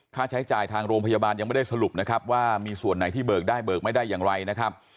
ค่าใช้จ่ายทางโรงพยาบาลยังไม่ได้สรุปนะครับว่ามีส่วนไหนที่เบิกได้เบิกไม่ได้อย่างไรนะครับ